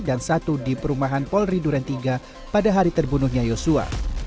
dan satu di perumahan polri duren iii pada hari terbunuhnya yosua